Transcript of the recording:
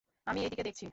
আমি এইদিকে দেখছি।